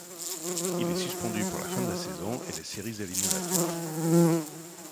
Il est suspendu pour la fin de la saison et les séries éliminatoires.